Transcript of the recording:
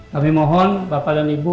kami mohon bapak dan ibu